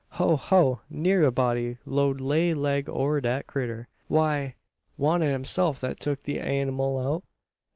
Ho! ho! Ne'er a body 'lowed lay leg ober dat critter." "Why, wan't it himself that tuk the anymal out?"